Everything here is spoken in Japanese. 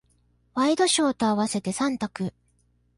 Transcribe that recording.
ワイドショーと合わせて三択。